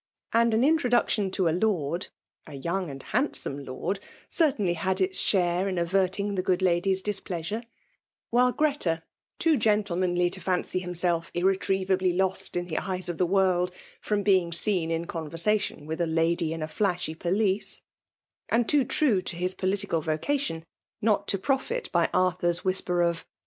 And an introduction to a Lord — a young and handsome Lord — certainly had its share in averting the good lady's displeasure ; while Oreta^ too gentlemanly to fancy himself irre trievably lost in the eyes of the world* from being seen in conversation with a lady in a flashy pelisse* and too true to his political vocation not to profit by Arthur's whisper of^— FBKALE DOMINATION.